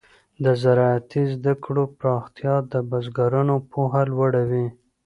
د زراعتي زده کړو پراختیا د بزګرانو پوهه لوړه وي.